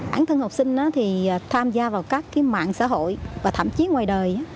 bản thân học sinh thì tham gia vào các mạng xã hội và thậm chí ngoài đời